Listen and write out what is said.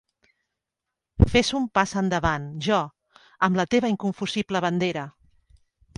Fes un pas endavant, Jo, amb la teva inconfusible bandera!